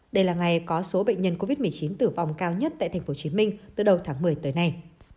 đây là ngày có số bệnh nhân covid một mươi chín tử vong cao nhất tại tp hcm từ đầu tháng một mươi tới nay